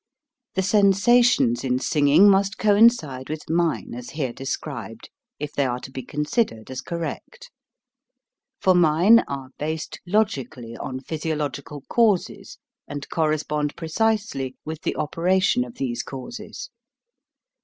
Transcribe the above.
The sensations in singing must coincide with mine as here described, if they are to be considered as correct; for mine are based logically on physiological causes and corre spond precisely with the operation of these causes.